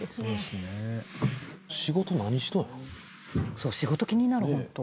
そう仕事気になるホント。